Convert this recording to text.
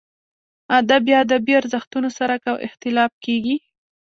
ادب یا ادبي ارزښتونو سره که اختلاف کېږي.